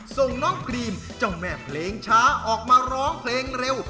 ส่งน้องกรีมเจ้าแม่เพลงช้าออกมาร้องเพลงเร็ว